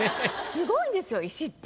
すごいんですよ石って。